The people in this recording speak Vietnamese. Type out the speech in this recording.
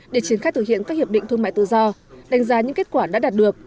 để triển khai thực hiện các hiệp định thương mại tự do đánh giá những kết quả đã đạt được